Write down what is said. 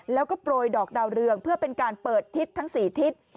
แล้วก็โปรยดอกดาวเรืองเพื่อเป็นการเปิดทิศทั้ง๔ทิศ